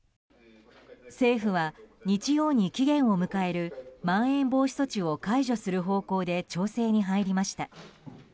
政府は、日曜に期限を迎えるまん延防止措置を解除する方向で調整に入りました。